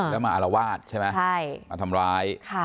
แล้วมาอารวาสใช่ไหมมาทำร้าย